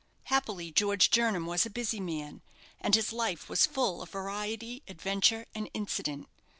Happily George Jernam was a busy man, and his life was full of variety, adventure, and incident.